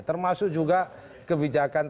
termasuk juga kebijakan